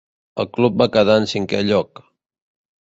El club va quedar en cinquè lloc.